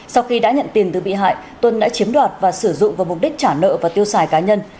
sau khi đã nhận tiền từ bị hại tuân đã chiếm đoạt và sử dụng vào mục đích trả nợ và tiêu xài cá nhân